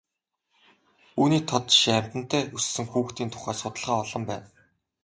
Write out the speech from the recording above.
Үүний тод жишээ амьтантай өссөн хүүхдийн тухай судалгаа олон байна.